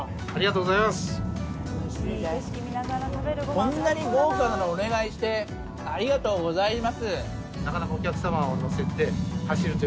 こんなに豪華なのお願いしてありがとうございます。